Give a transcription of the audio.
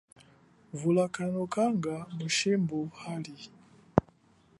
Vula kanokanga mashimbu ali.